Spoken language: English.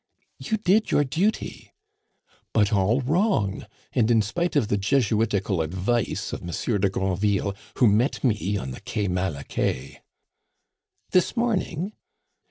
"You did your duty." "But all wrong; and in spite of the jesuitical advice of Monsieur de Granville, who met me on the Quai Malaquais." "This morning!"